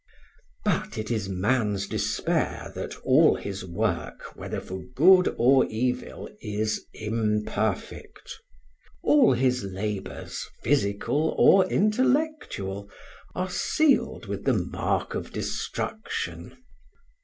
But it is man's despair that all his work, whether for good or evil, is imperfect. All his labors, physical or intellectual, are sealed with the mark of destruction.